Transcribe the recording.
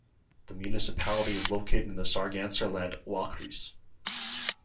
The municipality is located in the Sarganserland "Wahlkreis".